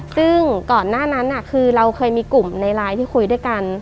ซึ่งก่อนหน้านั้นคือเราเคยมีกลุ่มในไลน์ที่คุยด้วยกัน